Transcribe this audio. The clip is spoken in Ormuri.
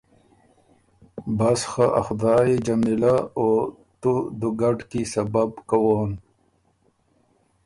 بس خه ا خدایٛ يې جمیلۀ او تُو دُوګډ کی سبب کوون